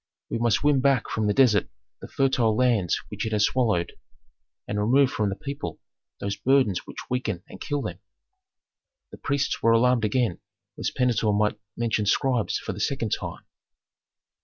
We must win back from the desert the fertile lands which it has swallowed, and remove from the people those burdens which weaken and kill them." The priests were alarmed again, lest Pentuer might mention scribes for the second time.